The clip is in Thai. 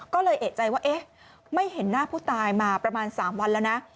ก็เลยเอกใจว่าเอ๊ะไม่เห็นหน้าผู้ตายมาประมาณ๓วันแล้วนะ